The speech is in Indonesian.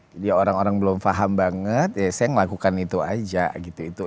jadi orang orang belum paham banget ya saya ngelakukan itu aja gitu gitu